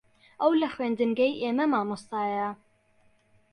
ئەو لە خوێندنگەی ئێمە مامۆستایە.